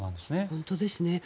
本当ですね。